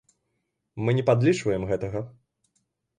Мы не падлічваем гэтага.